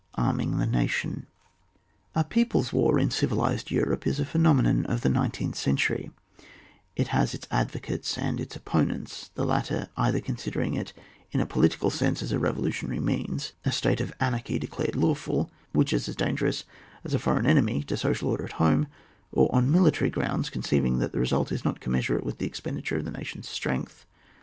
ARMING THE NATION, A peoplb's war in civilised Europe is a Phenomenon of the nineteenth century, t has its advocates and its opponents : the latter either considering it in a poli tical sense as a revolutionary means, a state of anarchy declared lawful, which is as dangerous as a foreign enemy to social order at home ; or on military grounds, conceiving that the result is not commensurate with the expenditure of the nation's strength.